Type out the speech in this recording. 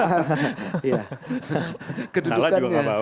salah juga pak bawa